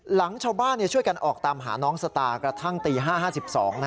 หลังชาวบ้านช่วยกันออกตามหาน้องสตากระทั่งตี๕๕๒